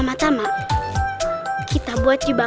bukti apaan sih mau